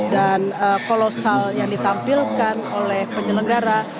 dan kolosal yang ditampilkan oleh penyelenggara